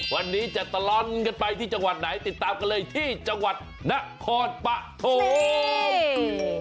วันนี้จะตลอดกันไปที่จังหวัดไหนติดตามกันเลยที่จังหวัดนครปฐม